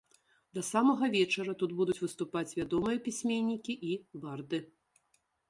Да самага вечара тут будуць выступаць вядомыя пісьменнікі і барды.